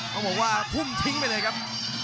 ต้องบอกว่าทุ่มทิ้งไปเลยครับ